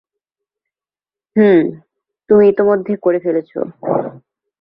হুম, তুমি ইতিমধ্যে করে ফেলেছো।